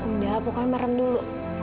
udahlah buka kamarnya dulu